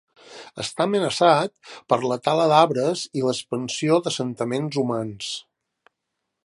Està amenaçat per la tala d'arbres i l'expansió dels assentaments humans.